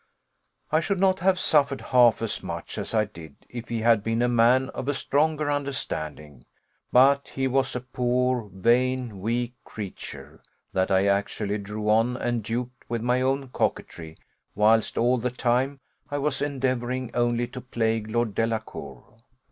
I should not have suffered half as much as I did if he had been a man of a stronger understanding; but he was a poor, vain, weak creature, that I actually drew on and duped with my own coquetry, whilst all the time I was endeavouring only to plague Lord Delacour.